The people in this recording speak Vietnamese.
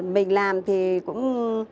mình làm thì cũng